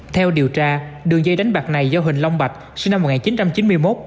theo điều tra đường dây đánh bạc này do huỳnh long bạch sinh năm một nghìn chín trăm chín mươi một